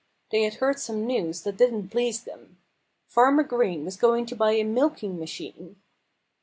They had heard some news that didn't please them. Farmer Green was going to buy a milking machine!